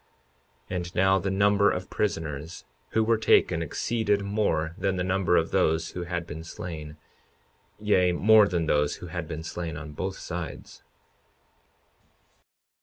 52:40 And now the number of prisoners who were taken exceeded more than the number of those who had been slain, yea, more than those who had been slain on both sides.